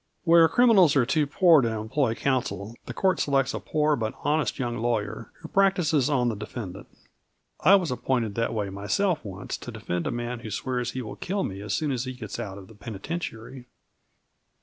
Where criminals are too poor to employ counsel the Court selects a poor but honest young lawyer, who practices on the defendant. I was appointed that way myself once to defend a man who swears he will kill me as soon as he gets out of the penitentiary.